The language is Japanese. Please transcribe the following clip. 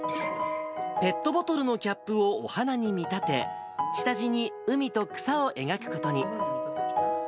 ペットボトルのキャップをお花に見立て、下地に海と草を描くことに。